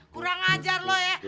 kurang ngajar lo ya